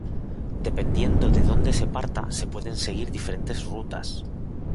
Dependiendo de donde se parta se pueden seguir diferentes rutas.